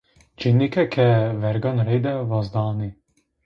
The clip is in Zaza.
Cênıke ke vergan reyde vazdanê